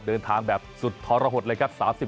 เดินทางแบบสุดทรหดเลยครับ